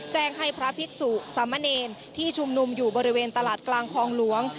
แจ้งให้พระภิกษุสามเนรที่ชุมนุมอยู่บริเวณตลาดกลางคลองหลวง